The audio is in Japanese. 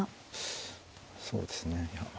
そうですねいや。